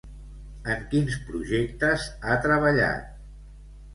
En quins projectes ha treballat?